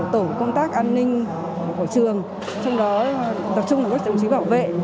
tổ công tác an ninh của trường trong đó tập trung là các tổ chức bảo vệ